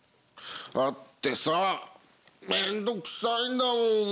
だってさ面倒くさいんだもん。